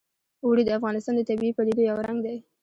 اوړي د افغانستان د طبیعي پدیدو یو رنګ دی.